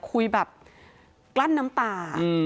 คุยแบบกลั้นน้ำตา